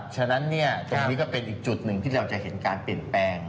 ฉะนั้นตรงนี้ก็เป็นอีกจุดหนึ่งที่เราจะเห็นการเปลี่ยนแปลง